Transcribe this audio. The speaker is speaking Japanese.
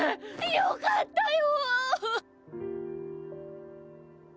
よかったよ！